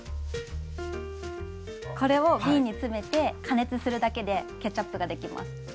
これをびんに詰めて加熱するだけでケチャップができます。